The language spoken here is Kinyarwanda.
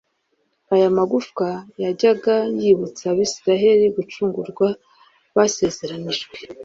aya magufwa yajyaga yibutsa abisiraheli gucungurwa basezeranyijwe.